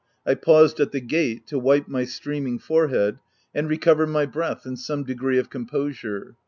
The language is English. I paused at the gate to wipe my streaming forehead, and recover my breath and some degree of composure.